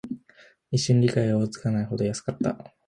一瞬、理解が追いつかないほど安かった